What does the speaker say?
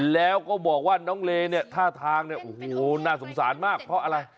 แล้วก็บอกว่าน้องเลเนี่ยท่าทางเนี่ยโอ้โหน่าสงสารมากเพราะอะไร